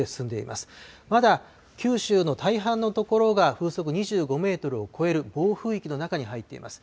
まだ九州の大半のところが風速２５メートルを超える暴風域の中に入っています。